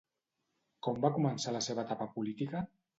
Com va començar la seva etapa política?